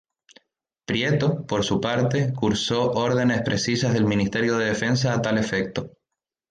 Prieto, por su parte, cursó órdenes precisas del Ministerio de Defensa a tal efecto.